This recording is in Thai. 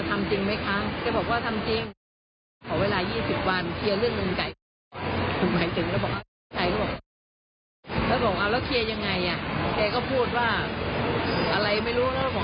ผมไม่น่าจะคุยให้ได้เขาได้จบไปเขาก็พูดต่อหน้าผู้กอง